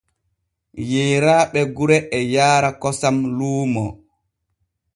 Yeeraaɓe gure e yaara kosam luumo.